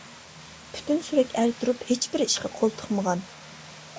پۈتۈن سۈرۈك ئەر تۇرۇپ، ھېچ بىر ئىشقا قول تىقمىغان.